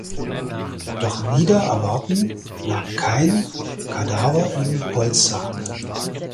Doch wider Erwarten lag kein Kadaver im Holzsarg.